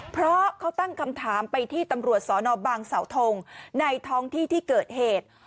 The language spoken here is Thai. เพราะเขาตั้งคำถามไปที่ตำรวจสนบางเสาทงในท้องที่ที่เกิดเหตุ